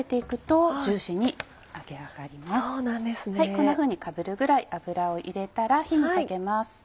こんなふうにかぶるぐらい油を入れたら火にかけます。